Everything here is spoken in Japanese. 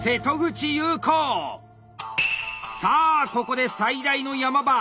さあここで最大の山場！